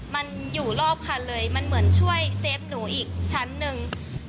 มันอยู่รอบคันเลยมันเหมือนช่วยเซฟหนูอีกชั้นหนึ่ง